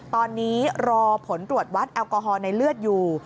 ตอนนี้รอผลตรวจวัดแอลกอฮอลในเลือดอยู่